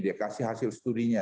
dia kasih hasil studinya